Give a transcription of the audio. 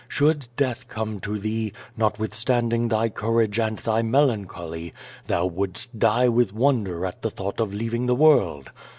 Should death come to thee, notwithstanding thy courage and thy melancholy, thou wouldst die with wonder at the thought of leaving the world.